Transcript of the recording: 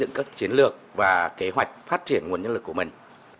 những cái chiến lược và kế hoạch phát triển nguồn nhân lực của mình